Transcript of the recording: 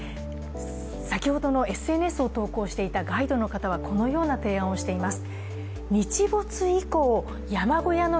先ほどのＳＮＳを投稿していたガイドの方はこのような提案をしています。